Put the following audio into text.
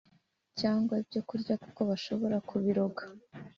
cyangwa ibyo kurya kuko bashobora kubiroga.